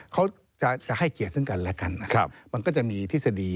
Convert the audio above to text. เขาจะให้เกียรติซึ่งกันและกันนะครับมันก็จะมีทฤษฎี